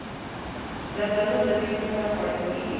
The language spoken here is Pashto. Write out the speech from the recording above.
زردالو له مینې سره خوړل کېږي.